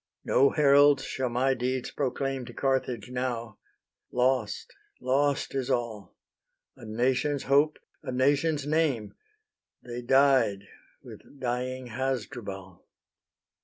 No heralds shall my deeds proclaim To Carthage now: lost, lost is all: A nation's hope, a nation's name, They died with dying Hasdrubal."